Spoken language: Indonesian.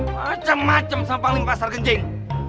macem macem sampang limpa sargenjing